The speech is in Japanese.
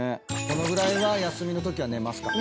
このぐらい休みのとき寝ますか。